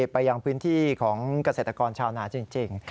ไปยังพื้นที่ของเกษตรกรชาวนาจริง